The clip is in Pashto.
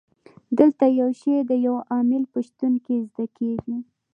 دلته یو شی د یو عامل په شتون کې زده کیږي.